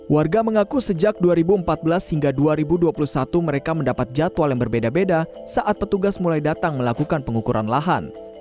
warga mengaku sejak dua ribu empat belas hingga dua ribu dua puluh satu mereka mendapat jadwal yang berbeda beda saat petugas mulai datang melakukan pengukuran lahan